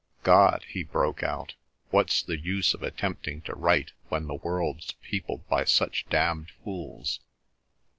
God!" he broke out, "what's the use of attempting to write when the world's peopled by such damned fools?